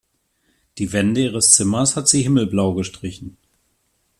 Die Wände ihres Zimmers hat sie himmelblau gestrichen.